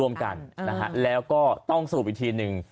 ร่วมกันนะฮะแล้วก็ต้องสรุปอีกทีหนึ่ง